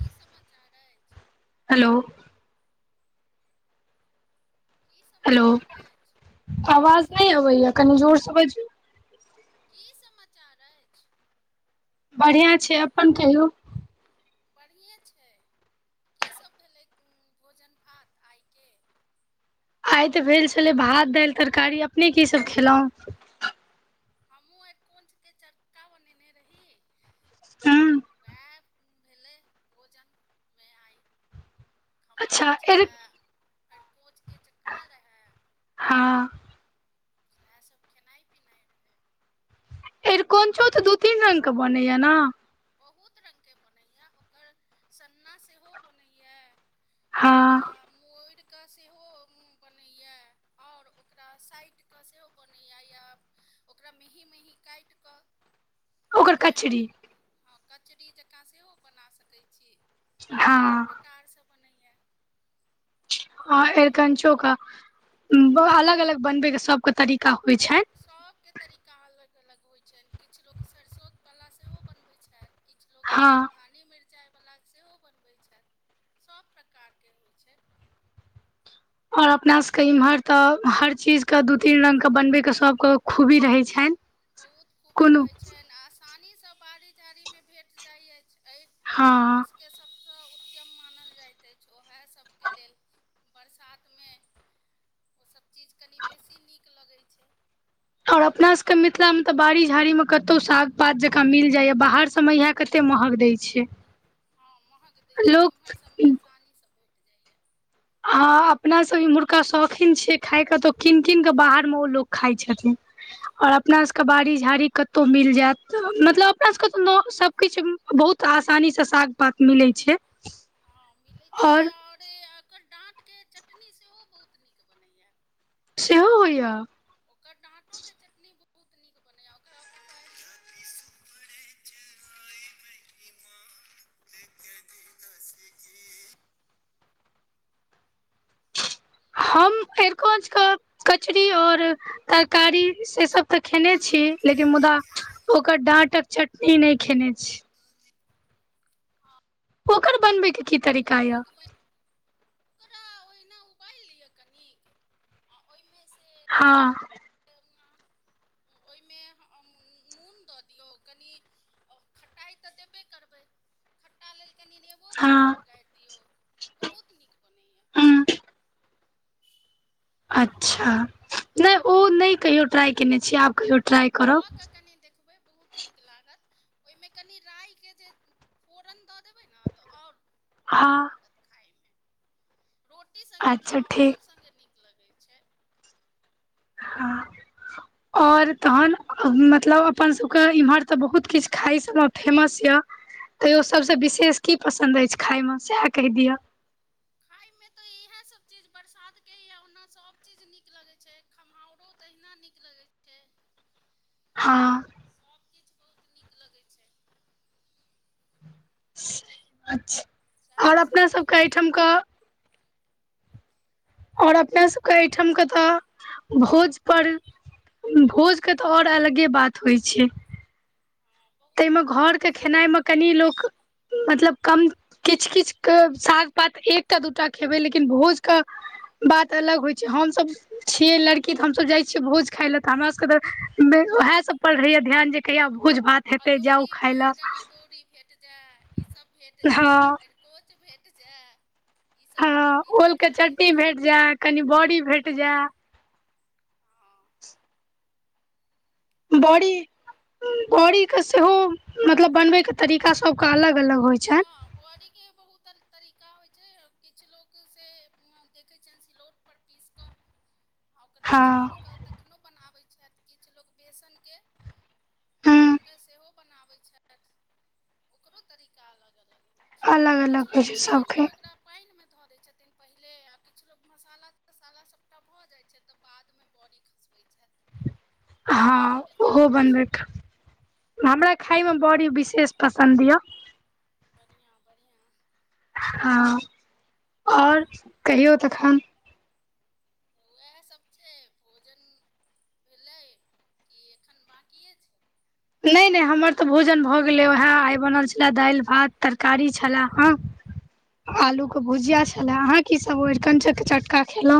की समाचार अइछ? Hello hello आवाज नइ अबैया कनि जोर सँ बजु की समाचार अइछ? बढ़िआँ छै अपन कहियौ बढ़िएँ छै की सब भेलै कुन भोजन भात आइके? आइ तऽ भेल छले भात दाइल तरकारी अपने की सब खेलौ? हमहु आरकोंचके चर्का बनेने रही। हूँ वएह भेलै भोजन मे आइ खमहाउर अच्छा एर छलए अरिकोच के चक्का रहै। हँ ओएह सब खेनाइ पिनाइ रहै एरिकंचो तऽ दू तीन रंग के बनैया न? बहुत रंग के बनैए यऽ ओकर सन्ना सेहो बनैए यऽ ओकरा हँ मोइर क सेहो बनैया और ओकरा साइट क सेहो बनैया या ओकरा मेहीँ -मेहीँ काइट कऽ ओकर ओईमे मा कचरी हं कचरी जेकाँ सेहो बना सकैइ छी हँ कार सब बनैया ह एरिकंचो क ब अलग -अलग बनबै के सब के तरीका होइ छैन सभके तरीका अलग -अलग होइ छइन किछु लोक सरसो वला सेहो बनबै छएथ किछु लोक हँ धनि मिरचाइवला सेहो बनबै छएथ सभ प्रकारके होइ छइ। ओर अपना सभके इम्हर तऽ हर चीज के दू तीन रंग के बनबय के सब क खूबी रहै छइन। बहुत खूबी रहै छएन आसानीसँ बाड़ी झाड़ीमे भेट जाइ अइछ। हँ। [unintelligible] बरसातमे ओसब चीज कनि बेसी नीक लगै छै। और अपना सबके मिथिलामे तऽ बाड़ी झाड़ीमे कतौ साग पात जकाँ मिल जाइया बाहर सबमे इहै। कते महग दै छै। हँ महग दै छै लोक इम्हर सबमे असानीसँ भेट जाइए। हँ अपनासभ इम्हुरका शौखीन छियै खायकऽ तऽ किन किन कऽ बाहरमे ओ लोक खाइ छथिन। और अपना सबके बाड़ी झाड़ी कतहुँ मिल जायत [unintelligible] मतलब अपना सबकेँ त न सबकिछ। बहुत आसानी सँ साग पात मिलै छै। हँ मिलै छै और आओर एकर डाँटके चटनी सेहो बहुत नीक बनैए। सेहो होइय। ओकर डाँटोके चटनी बहुत नीक बनैया ओकरा। [unintelligible] [unintelligible] हम एरकोचकऽ कचरी और तरकारी से सब। तऽ खेने छी मैं लेकिन भी मुदा कहता ओकर डाँटक चटनी नइ खेने छी। हूँ ओखर बनबै के। की तरीका बहुत य नीक बन। उबाइल लिअ कनिक आ ओइमे से। हँ। ओइमे ह-हम मून दऽ दियौ कनि। अह खटाइ तऽ देबे करबै खट्टा लेल कनि नेबो। बो दऽ हँ दिऔ गाड़ि दिऔ बहुत नीक बनैया। हूँ अच्छा नइ ओ नै कहियो ट्राइ केने छियै आब कहियो ट्राइ। करब कऽ केँ कने देखबै बहुत। बहुत नीक लागत ओइमे कनि राइके जे फोरन दऽ देबै न तऽ आओर। हँ। रोटी संगे अच्छा खाउ ठीक सब संगे नीक लगै छै। हँ। [unintelligible] और तहन मतलब अपन सबके इम्हर तऽ बहुत किछ खाइ सबम फेमस यऽ। तैयो सबसँ विशेष की पसन्द अछि खायमे सैह कहि दिअ। [unintelligible] इएह सब चीज बरसातके यऽ ओना सब चीज नीक लगै छै खमहउरो तहिना नीक लगै छै। हँ। सबकिछु बहुत नीक लगै छै। अच्छा अओर अपना सबके अइठामकऽ। अओर अपनासबके अइठामके तऽ भोज पर। भोजके तऽ अओर अलगे बात होइ छै। तैइमे घरके खेनाइमे कनि लोक। मतलब कम किछ किछ केँ साग पात एकटा दूटा खेबै लेकिन भोज केँ। बात अलग होइ छै हमसब छियै लड़की तऽ हमसब जाइ छियै भोज। खाय लय त हमरा सबके मेन उएह सब पर रहैया ध्यान जे कहिया भोज भात। हेतै जाउ अदौरी खाय लए बैगन अदौरी। भेट जाय ईसब भेट हँ जाय अरिकोच भेट जाय। हँ ओलके चट्नी भेट जाय कनि बॉरी भेट जाय। हँ। बॅड़ी बॅड़ीके सेहो मतलब बनबैके तरीका सबके अलग अलग होइ छनि। बॅड़ीक के बहुत तरीका होइ छै किछु लोक से देखै छियनि सिलौट। पर पीस क आ ओकरा हँ छानिकऽ तक अखनो बनाबैत छथि किछु लोक बेसन के हँ सेहो कऽ के सेहो बनाबैत छथि। ओकरो तरीका अलग अलग होइ छै अलग किछु अलग होइ लोक छै छानि कऽ सबके ओकरा पानिमे धऽ दै छथिन पहिले आ किछु लोक मसाला तसाला सभटा भऽ जाइ छै तऽ बादमे बॅड़ी खसबै छथि। ह हँ ओहो बनबैके हमरा खायमे बॅड़ी विशेष पसन्द य। बढ़िआं बढ़िआं। हँ आओर कहियौ तखन। वैह सब छै भोजन भेलै कि एखन बाकिये छै। नइ नइ हमर तऽ भोजन भऽ गेलै उहा आइ बनल छला दाइल भात तरकारी छला हँ। आलू के भुजिया छला अहाँ की सब अरिकंच के चटका खेलहु।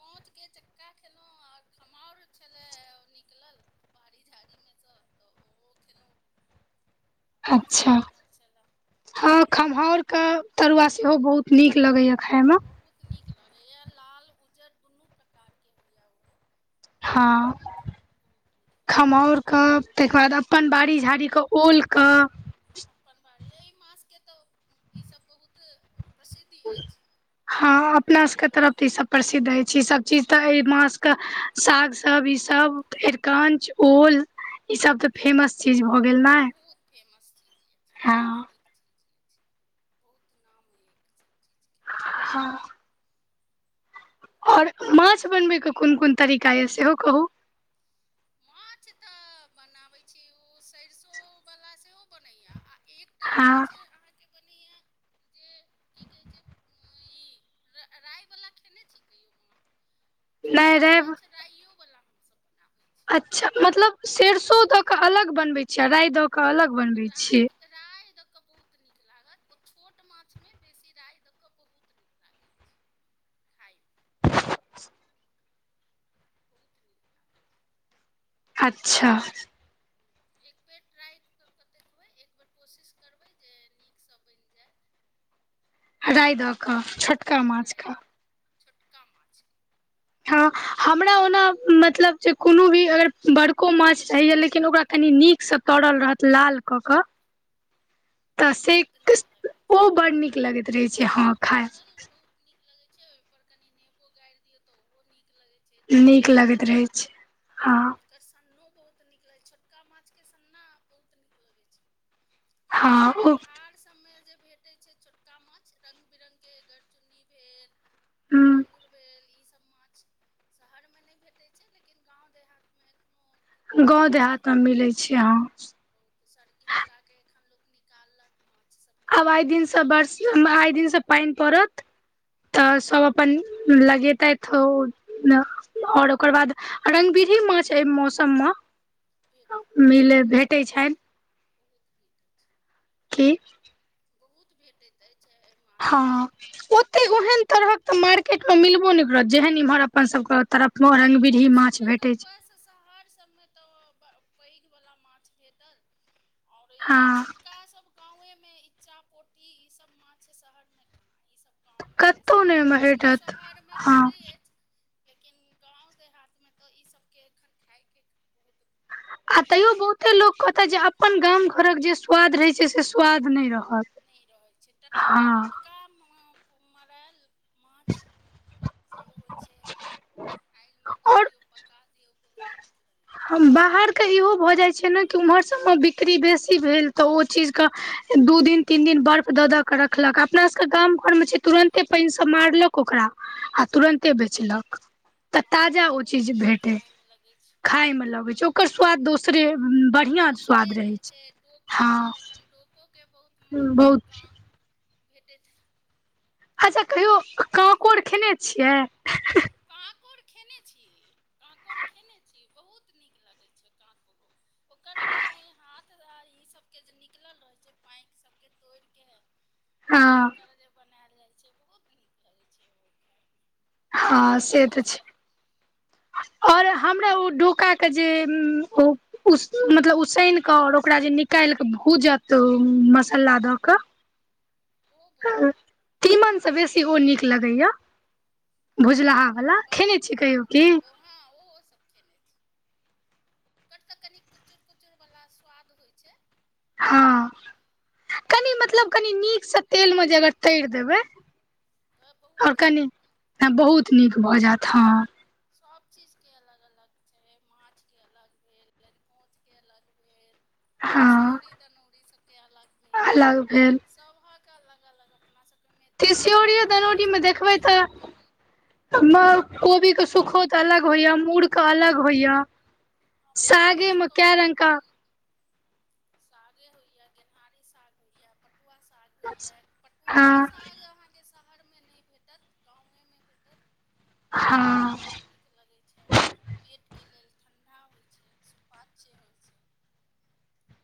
कोच के चक्का खेलहुं आर खमाउर छलै ओ निकलल बाड़ी झाड़ीमे सँ तऽ ओहो खयेलहु। वैह सब अच्छा बनल छला। हँ खम्हाउरक तरुआ सेहो बहुत नीक लगैया खाइमे। बहुत नीक लगेया लाल उज्जर दुनू प्रकार के होइया उ। हँ। ह खमहाउर क ताहिके बाद अपन बाड़ी झाड़ीके ओल क। अपन बारी एहि माछके तऽ ईसब बहुत प्रसिद्ध अछि। हँ अपनासबके तरफ तऽ ईसभ प्रसिद्ध अइछ ईसभ चीज तऽ एहि मासके सागसब ईसब अरिकंच, ओल ई सब त फेमस चीज भ गेल ना बहुत फेमस चीज येछि बहुत नीक चीज येछि। बहुत नाम हइ एकर सब चि हँ। और माछ बनबयके कोन कोन तरीका यऽ सेहो कहू। माछ तऽ बनाबैत छी ओ सरिसोवला सेहो बनैय आ एक हँ। अहाँके बनैया जे की कहे छै ई राय वाला खेने छी कहीयो मा नहि राइ ब राइयो वाला हमसब बनाबय अच्छा मतलब सरसो दऽ के अलग बनबैय छीयै आ राय दऽ के अलग बनबैय छियै। राय द क बहुत निक लागत ओ छोट माछ मे बेसी राय द क बहुत अच्छा। एक भी ट्राई क के देखबय। एक बेर कोशिश करबै जे नीकसँ बनि जाय। हँ, राइ दऽ कऽ, छोटका माछके, छोटका माछ, हँ, हमरा ओना मतलब जे, कोनो भी अगर बड़को माछ रहैए, लेकिन ओकरा कनि नीकसँ। तड़ल रहत, लाल कऽ कऽ,। तऽ से, ओ बड़ नीक लगैत रहै छै, हँ खा नीक लगे छै, ओई पर कनी नेबो गाारि दियो, ते ऊहो नीक लगे छै। नीक लगैत रहै छै, हँ। ओकर सन्नो बहुत नीक लगैत छै, छोटका माछके सन्ना बहुत नीक लगैत छै। गाँंव हँ सबमे, ओ धार सबमे जे भेट भेटै छै, छोटका माछ, र्ंग -बिरङंगगके गरचुन्नी भेल। मागुर भेल, ईसभ माछ शहरमे नहि भेटैत छै, लेकिन गाँव देहात गाँव देहात मे मिलै छै, हाँ। सर्की लगााके एखन लोक, निकाललक माछ सब। आब आइ दिनसँ बरसी, हमरा आइ दिनसँ पानि पड़त। तऽ सब अपन लगेताथ ओ। और ओकर बाद, रंगबिढ़हि माछ एहि मौसम मे। मिले, भेटैत छन। ओ। की। बहुत भेटैत अछि छै। हँ, ओते ओहन तरहक तऽ मार्केट मे मिलबो नहि करत, जेहन इम्हर अपन सबके तरफ। मे रंगबिरही हमर माछ सभमे तऽ, भेटै उप छै शहर सभमे तऽ, पैघवला माछ भेटल। आओर ई हँ छोटका सब गाँवेमे, इच्चा -पोठी ई सब माछ शहरमे कहाँ! ईसभ गाँवमे बेसी, कतौ नहि ओहिमे कोनो -कोनो भेटत शहरमे हँ भेटैत अछि, लेकिन गांव देहात में तऽ इ सब के एखन खााय के, बहुत आ तैयो बहुते लोको कहतै जे, अपन गाम-घरक जे स्वाद रहै छै, से स्वाद नहि रहत। नहि रहै छै, टट हँ टटका मरायल माछ से होइ छै, आगिमे दऽ आओर दियौ, पका दियौ, बहुत बाहरके इहो भऽ जाइ छै ने कि, उम्हर सभमे बिक्री बेसी भेल, तऽ ओ चीजके दू दिन, तीन दिन, बर्फ द द क के रखलक, अपना सबके गाम घरमे छै, तुरंते पानि सभ मारलक ओकरा। आ तुरन्ते बेचलक, तऽ ताजा ओ चीज भेटे। मे लगै छै। खायमे लगैत छै, ओकर स्वाद दोसरे बढ़िआँ स्वाद रहैत छै, हँ। ओे के बहुत। ह, बहुत छै। भेटैत छै। अच्छा! कहियो ककोर खेने छियै? ककोर खेने छी, कांकोड़ खेने छी, बहुत नीक लगै छै, कांकोड़ो ओ ओकर पैर हाथ, आर ई सब के जे निकलल रहे छै, पैंर सबके तोड़ के। फेर हँ ओकर जे बनायल जाइ छै, बहुत नीक रहगै छै ओ। हँ से तऽ छै। और हमरा ओ डोका के जे, [unintelligible] मतलब उसान के और ओकरा जे काल्हि के भूजत मसाला द के। ओ बहुत तीमनसँ बेसी ओ नीक लगैय, भुजलाहावला खेने छी कहियो की। हँ ओहो सब खेने छी। ओकर तऽ कनि कुचुर-कुचुर वला स्वाद होइ छै। हँ कनि मतलब कनि नीकसँ तेलमे जे अगर तरि देबै। त बहुत नीक ला ह बहुत नीक भऽ जायत हँ। सभ चीजके अलग अलग छै, माछके अलग भेल, लरिकोछके अलग भेल। हँ तीसीऔरी, दनौरी सबके अलग भेल, अलग भेल सबहक क अलग-अलग अपना सबके मैथिल मे तऽ तिसियोरियो बहुत किछ बनेैया। त न कोबी के सुखोत अलग होइय, मूड़ के अलग होइय। सागे मे कै रंग क सागे होइ यैं, गनहारी साग होइ यैं, पटुआ साग होइयैं, पटुआवो हँ साग अहाँ के शहरमे नहि भेटत, गांवे मे भेटत खाइमे हँ बहुत नीक लगै छै, पेटके लेल ठण्डा होइ छै, सुपाच्य होइ छै।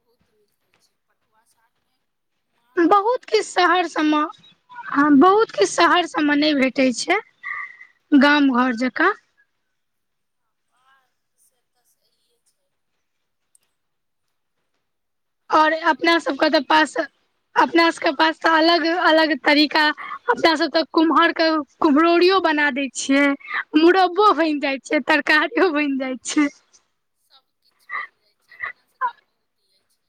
बहुत नीक होइ छै, पटुआ सागमे बहुत किछ शहर सब म आ बहुत किछ शहर सब म नहि भेटै छै। गाम घर जकाँ। आर से तऽ सहीये छै। और अपना सब क त पास, अपना सब क पास त अलग-अलग तरीका, अपना सब त कुमहर क कुम्हरौरियो बना दै छियै, मुरब्बो बनि जाइ छै, तरकारियो बनि जाइ छै। सब किछ बनि जाइ छै, अपना सभके बहुत इ अछि।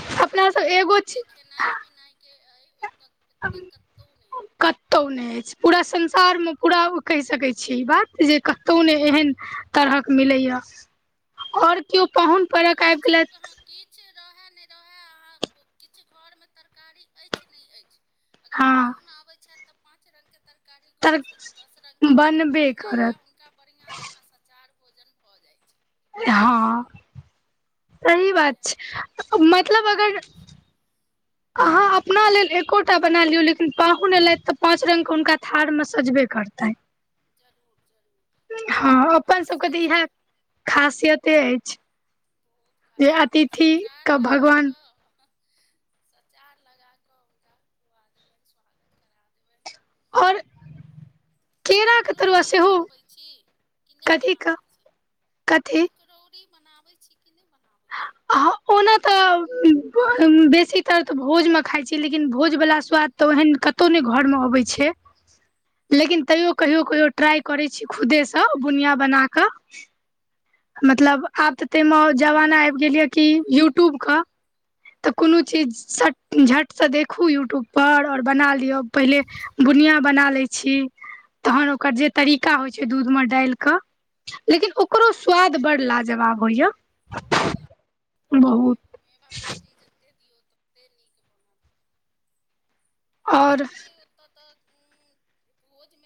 अपना सब मिथिलामे एगो जते चीज खेनाई-पिनाइके अइ ओतऽ एत्ते कतौ नहि अइ। कतहु नहि अछि, पूरा संसारमे पूरा ओ कहि सकैत छियै ई बात जे कतहु नहि एहेन तरहक मिलैय, आओर कियो पाहुन परक आबि गेलथि किछ रहै नहि रहै, अहां किछ घरमे तरकारी अछि नहि अछि अगर हँ पाहुन आबै छथि तऽ पाँच रंग के तर तरकारी घर तर स दस रंगके निकलिये बनबे जाय करत यैं हुनका बढ़ियां जकाँ सचार भोजन भऽ जाइ छैन। हँ सही बात छै, मतलब अगर अहाँ अपना लेल एकोटा बना लियौ, लेकिन पाहुन एलथि तऽ पाँच रंग क हुनका थार मे सजबे करतैन। जरूर-जरूर। हँ अपनसबके तऽ इहै खासियते अछि। बहुत जे खासियत अय, अतिथि सचार के लगा भगवान कऽ सचार लगा क हुनका खुआ देबनि, सुहागत करा देबनि। आओर केरा के तरुआ सकड़ौड़ियो सेहो बनबै छी, कि नहि कथी क बनाबै छी, कथी सकड़ौ री बनाबै छी कि, नहि बनाबै छी। अहं ओना तऽ बेसीतर त भोजमे खाइ छी लेकिन भोज बला स्वाद तऽ ओहेन कत‌ऊ नहि घर मे अबै छै। लेकिन तैयो कहियो-कहियो ट्राइ करै छी, खुदेसँ बुनिया बना कऽ मतलब आब तऽ तै मे ओ जमाना आबि गेल ये कि यूट्यूब क। तऽ कोनो चीज सट झट सँ देखू यूट्यूब पर आओर बना लिअ पहिले। बुनियाँ बना लै छी तहन ओकर जे तरीका होइ छै दूध मे डालि कऽ। लेकिन ओकरो स्वाद बड़ लाजवाब होइया बहुत। मेबा मीश्री। जते दियऔ तऽ। नै नीक बनत। हमरा आओर सब के ओत तऽ उं भोज मे।।